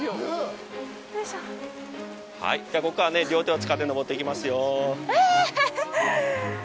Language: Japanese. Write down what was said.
ここから両手を使って登っていきますよ。